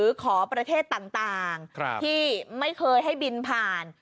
ขอประเทศต่างที่ไม่เคยให้บินผ่าน